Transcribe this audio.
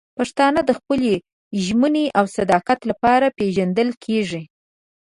پښتانه د خپل ژمنې او صداقت لپاره پېژندل کېږي.